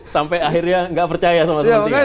sampai akhirnya enggak percaya sama selentingan